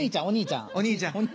「お兄ちゃん」「お兄ちゃん」。